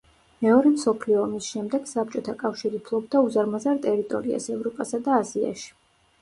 მეორე მსოფლიო ომის შემდეგ საბჭოთა კავშირი ფლობდა უზარმაზარ ტერიტორიას ევროპასა და აზიაში.